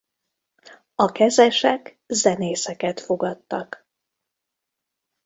A kezesek zenészeket fogadtak.